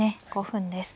５分です。